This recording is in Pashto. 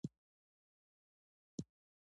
طالبانو ځینې ښوونځي او ښوونیزې ادارې جوړې کړې دي.